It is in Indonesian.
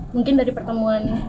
mungkin dari pertemuan